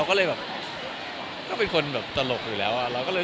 ก็เลยไม่รู้จะเปิดอะไร